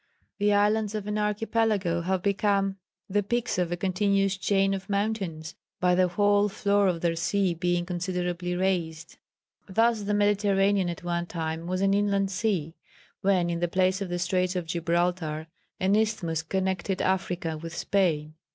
The islands of an archipelago have become the peaks of a continuous chain of mountains by the whole floor of their sea being considerably raised. "Thus the Mediterranean at one time was an inland sea, when in the place of the Straits of Gibraltar, an isthmus connected Africa with Spain.